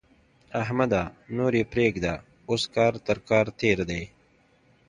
احمده! نور يې پرېږده؛ اوس کار تر کار تېر دی.